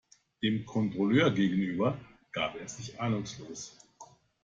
Dem Kontrolleur gegenüber gab er sich ahnungslos.